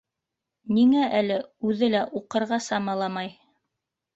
Ниңә әле үҙе лә уҡырға самаламай?